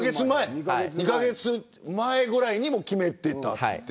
２カ月前ぐらいに決めていた。